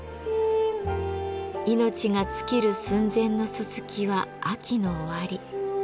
命が尽きる寸前のすすきは秋の終わり。